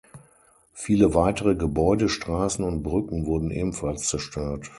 Viele weitere Gebäude, Straßen und Brücken wurden ebenfalls zerstört.